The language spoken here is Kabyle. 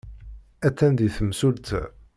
Attan din temsulta.